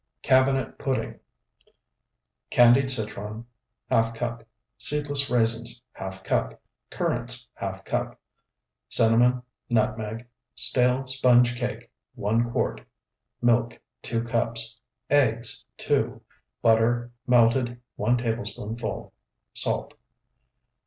CABINET PUDDING Candied citron, ½ cup. Seedless raisins, ½ cup. Currants, ½ cup. Cinnamon. Nutmeg. Stale sponge cake, 1 quart. Milk, 2 cups. Eggs, 2. Butter, melted, 1 tablespoonful. Salt.